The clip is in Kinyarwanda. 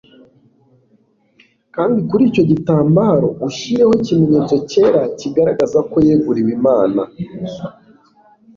kandi kuri icyo gitambaro ushyireho ikimenyetso cyera kigaragaza ko yeguriwe imana